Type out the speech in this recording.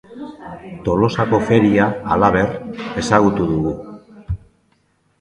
Tolosako feria, halaber, ezagutu dugu.